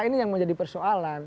ini yang menjadi persoalan